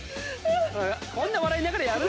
こんな笑いながらやる。